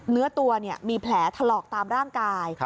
เนื้อตัวมีแผลถลอกตามร่างกาย